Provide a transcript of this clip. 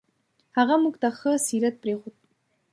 هغه موږ ته ښه سیرت پرېښود.